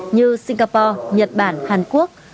như singapore nhật bản hàn quốc